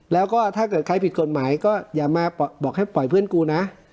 แล้วก็ถ้าเกิดใครผิดกฎหมายก็อย่ามาบอกให้ปล่อยเพื่อนกูนะ